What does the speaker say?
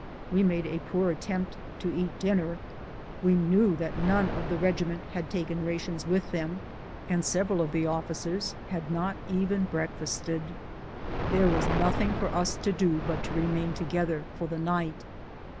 We made a poor attempt to eat dinner; we knew that none of the regiment had taken rations with them, and sev eral of the officers had not even breakfasted. There was nothing for us to do but to remain together for the night.